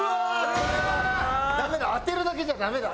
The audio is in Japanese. これはダメだ当てるだけじゃダメだ。